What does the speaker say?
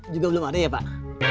juga belum ada ya pak